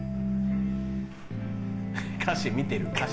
歌詞見てる歌詞。